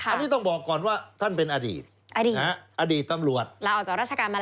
อันนี้ต้องบอกก่อนว่าท่านเป็นอดีตอดีตตำรวจลาออกจากราชการมาแล้ว